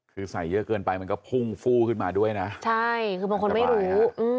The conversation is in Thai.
คือใส่เยอะเกินไปมันก็พุ่งฟู้ขึ้นมาด้วยนะใช่คือบางคนไม่รู้